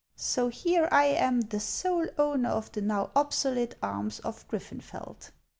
So here I am the sole owner of the now obsolete arms of Griffenfeld !